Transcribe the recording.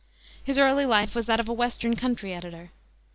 His early life was that of a western country editor.